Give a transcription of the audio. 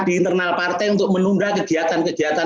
di internal partai untuk menunda kegiatan kegiatan